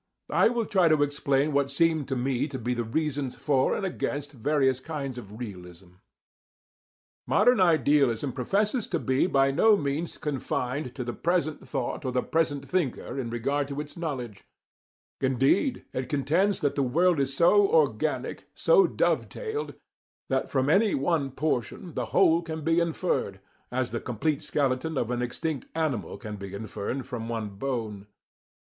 I will try to explain what seem to me to be the reasons for and against various kinds of realism. Modern idealism professes to be by no means confined to the present thought or the present thinker in regard to its knowledge; indeed, it contends that the world is so organic, so dove tailed, that from any one portion the whole can be inferred, as the complete skeleton of an extinct animal can be inferred from one bone.